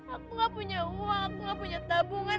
aku gak punya uang gak punya tabungan